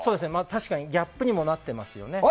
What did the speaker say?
確かにギャップにもなってますね。